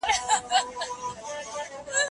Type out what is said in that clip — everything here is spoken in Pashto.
ليکوال د ټولني د دردونو درمان پيدا کوي.